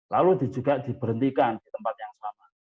lalu juga diberhentikan di tempat yang sama